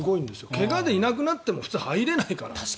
怪我でいなくなっても普通は入れないから。